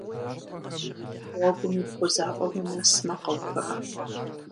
Гъуэгум и бгъузапӏэм унэсмэ, къэувыӏэ.